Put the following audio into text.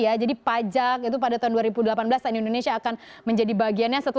dan kemudian kita lihat juga sempat memerangi sepakat memerangi hiv tbc dan mabuk